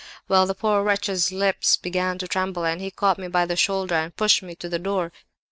Well, the poor wretch's lips began to tremble, and he caught me by the shoulder, and pushed me to the door.